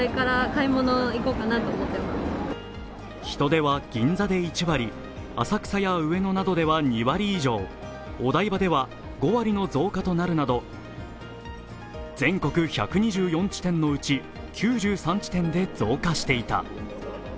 人出は銀座で１割、浅草や上野では２割以上、お台場では５割の増加となるなど、全国１２４地点のうち９３地点で増加していた。